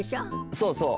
そうそう。